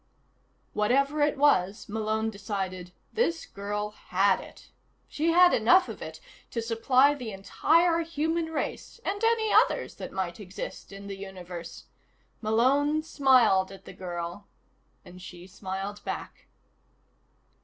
Whatever it was, Malone decided, this girl had it. She had enough of it to supply the entire human race, and any others that might exist in the Universe. Malone smiled at the girl and she smiled back.